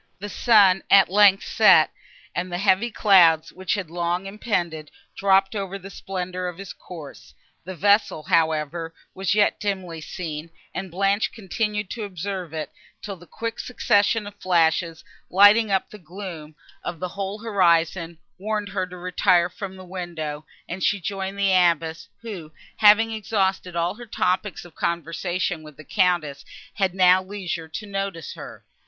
The sun, at length, set, and the heavy clouds, which had long impended, dropped over the splendour of his course; the vessel, however, was yet dimly seen, and Blanche continued to observe it, till the quick succession of flashes, lighting up the gloom of the whole horizon, warned her to retire from the window, and she joined the Abbess, who, having exhausted all her topics of conversation with the Countess, had now leisure to notice her.